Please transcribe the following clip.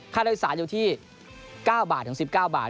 ท่าเรือสารอยู่ที่๙๑๙บาท